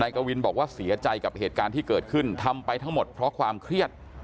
กวินบอกว่าเสียใจกับเหตุการณ์ที่เกิดขึ้นทำไปทั้งหมดเพราะความเครียด